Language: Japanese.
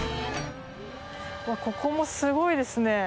うわここもすごいですね。